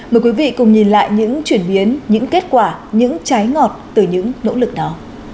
mời quý vị cùng nhìn lại những chuyển biến những kết quả những trái ngọt từ những nỗ lực đó